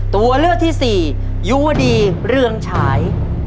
ตัวเลือกที่สี่ยุวดีเรืองฉาย